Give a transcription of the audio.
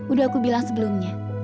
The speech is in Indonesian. udah aku bilang sebelumnya